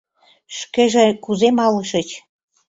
Шкеже кузе малышыч?